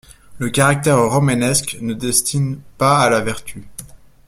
Le caractère romanesque ne destine pas à la vertu.